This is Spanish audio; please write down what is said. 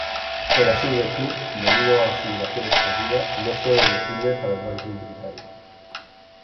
Erasure.Club, debido a su duración extendida, no fue elegible para el ranking británico.